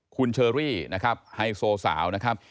คุณเชอรี่นะครับไฮโซสาวนะครับ